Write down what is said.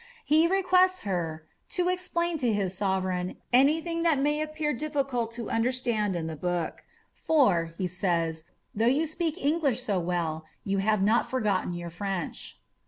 He requests her to explain to his sovereign any thing that may appear difficult to undersuind in the book : for,^' says he, ^ though you speak English so well, yon have not forgotten your French.'